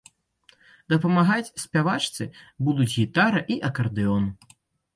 Дапамагаць спявачцы будуць гітара і акардэон.